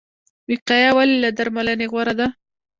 وقایه ولې له درملنې غوره ده؟